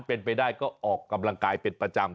เป็นไปได้ก็ออกกำลังกายเป็นประจำ